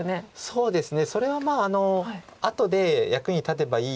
そうですね。